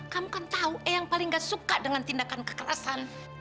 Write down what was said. kamu kan tahu eh yang paling gak suka dengan tindakan kekerasan